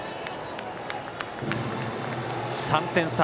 ３点差。